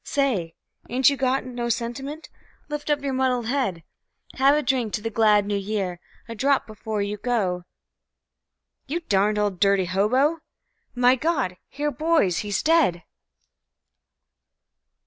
Say! ain't you got no sentiment? Lift up your muddled head; Have a drink to the glad New Year, a drop before you go You darned old dirty hobo... My God! Here, boys! He's _DEAD!